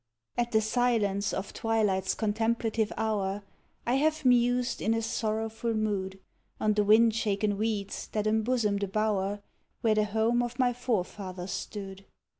At the silence of twilight's contemplative hour, I have mused in a sorrowful mood, On the wind shaken weeds that embosom the bower, Where the home of my forefathers stood.